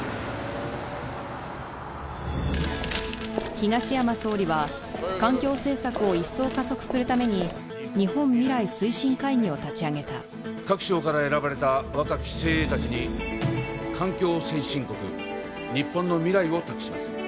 東山総理は環境政策を一層加速するために日本未来推進会議を立ち上げた各省から選ばれた若き精鋭達に環境先進国日本の未来を託します